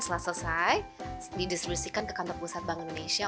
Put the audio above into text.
setelah selesai didistribusikan ke kantor pusat bank indonesia